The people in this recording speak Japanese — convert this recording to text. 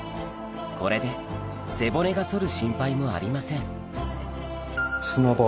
これで背骨が反る心配もありません砂場。